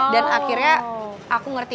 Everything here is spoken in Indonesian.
dan akhirnya aku ngerti